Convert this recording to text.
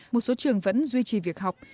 một số trường vẫn duy trì việc học